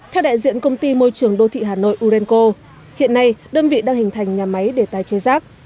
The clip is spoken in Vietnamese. theo đại diện công ty môi trường đô thị hà nội urenco hiện nay đơn vị đang hình thành nhà máy để tái chế rác